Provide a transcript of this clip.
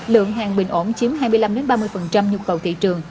lượng hàng bình ổn chiếm hai mươi năm ba mươi nhu cầu thị trường